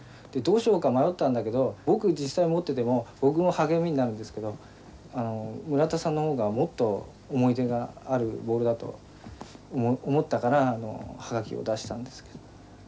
でどうしようか迷ったんだけど僕実際持ってても僕も励みになるんですけど村田さんの方がもっと思い出があるボールだと思ったから葉書を出したんですけど。